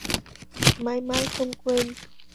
Mãi mãi không quên